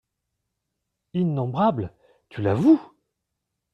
Innombrables !… tu l’avoues !…